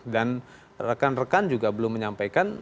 dan rekan rekan juga belum menyampaikan